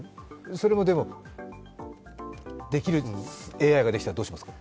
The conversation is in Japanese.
それは、でも、ＡＩができたらどうしますか？